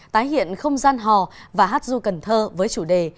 tái hiện không gian hò và hát du cần thơ với chủ đề